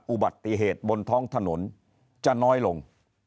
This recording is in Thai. อุบัติเหตุบนท้องถนนจะน้อยลง